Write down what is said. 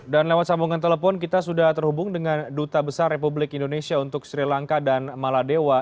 dan lewat sambungan telepon kita sudah terhubung dengan duta besar republik indonesia untuk sri lanka dan maladewa